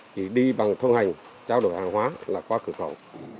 chỉ đi bằng thông hành trao đổi hàng hóa là qua cửa khẩu